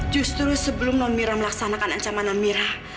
justru sebelum non mira melaksanakan ancaman non mirah